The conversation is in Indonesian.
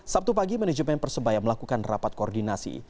sabtu pagi manajemen persebaya melakukan rapat koordinasi